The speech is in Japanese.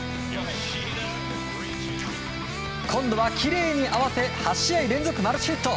今度は、きれいに合わせ８試合連続マルチヒット。